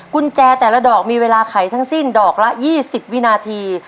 กุญแจแต่ละดอกมีเวลาไขทั้งสิ้นดอกละ๒๐วินาที